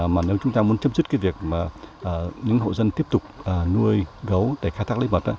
mà nếu chúng ta muốn chấm dứt cái việc mà những hộ dân tiếp tục nuôi gấu để khai thác lấy vật